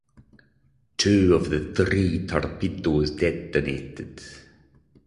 Two of the three torpedoes detonated.